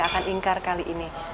akan ingkar kali ini